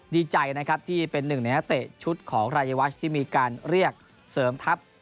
ดีใจนะครับที่เป็นหนึ่งในนักเตะชุดของรายวัชที่มีการเรียกเสริมทัพ